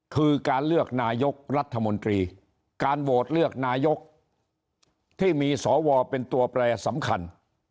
คือการเลือกนายกรัฐมนตรีการโหวตเลือกนายกที่มีสวเป็นตัวแปรสำคัญ